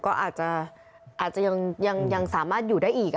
ก็อาจจะยังสามารถอยู่ได้อีก